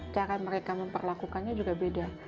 cara mereka memperlakukannya juga beda